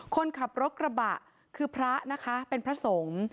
คนขับรถกระบะคือพระนะคะเป็นพระสงฆ์